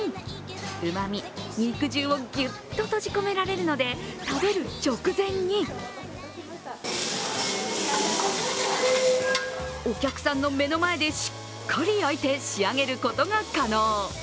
うまみ、肉汁をギュッと閉じ込められるので食べる直前にお客さんの目の前でしっかり焼いて仕上げることが可能。